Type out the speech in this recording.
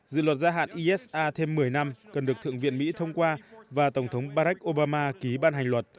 dự luật gia hạn isa thêm một mươi năm cần được thượng viện mỹ thông qua và tổng thống barack obama ký ban hành luật